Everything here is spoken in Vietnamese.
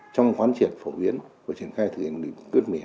trong khoán triển phổ biến và triển khai thực hiện nghị quyết một mươi hai